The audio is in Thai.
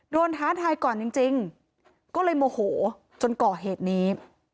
ท้าทายก่อนจริงก็เลยโมโหจนก่อเหตุนี้